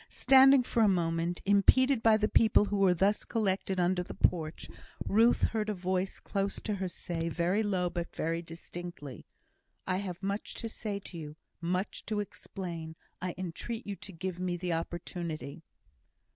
Standing for a moment, impeded by the people who were thus collected under the porch, Ruth heard a voice close to her say, very low, but very distinctly, "I have much to say to you much to explain. I entreat you to give me the opportunity."